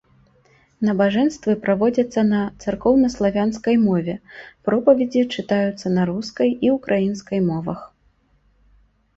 Набажэнствы праводзяцца на царкоўнаславянскай мове, пропаведзі чытаюцца на рускай і ўкраінскай мовах.